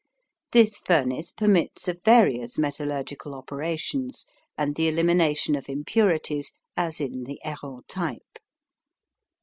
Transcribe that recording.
This furnace permits of various metallurgical operations and the elimination of impurities as in the Heroult type.